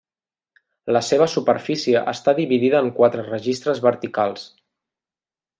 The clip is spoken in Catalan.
La seva superfície està dividida en quatre registres verticals.